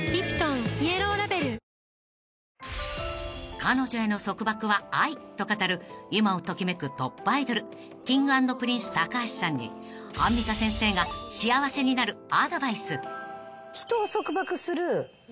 ［彼女への束縛は愛と語る今を時めくトップアイドルＫｉｎｇ＆Ｐｒｉｎｃｅ橋さんにアンミカ先生が幸せになるアドバイス］